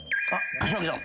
柏木さん。